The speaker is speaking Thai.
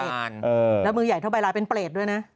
แล้วมือใหญ่เท่าใบลายเป็นเปรตด้วยนะ